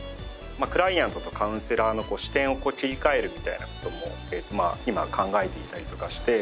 クライアントとカウンセラーの視点を切り替えるみたいな事も今考えていたりとかして。